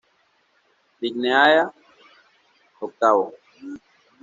Linnaea, xviii.